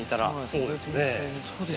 そうですね。